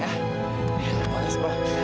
ya makasih pa